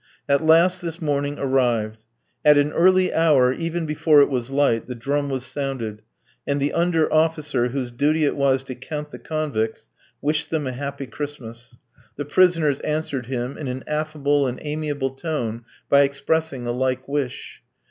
At last this morning arrived. At an early hour, even before it was light, the drum was sounded, and the under officer, whose duty it was to count the convicts, wished them a happy Christmas. The prisoners answered him in an affable and amiable tone by expressing a like wish.